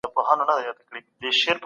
هغه په مځکي کي کار کړی او بريالی سو.